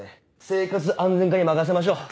生活安全課に任せましょう。